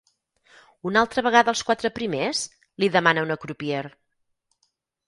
Una altra vegada els quatre primers? —li demana una crupier.